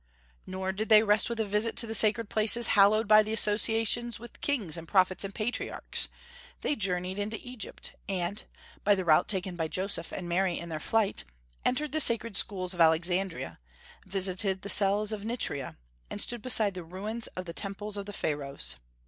Nor did they rest with a visit to the sacred places hallowed by associations with kings and prophets and patriarchs. They journeyed into Egypt, and, by the route taken by Joseph and Mary in their flight, entered the sacred schools of Alexandria, visited the cells of Nitria, and stood beside the ruins of the temples of the Pharaohs.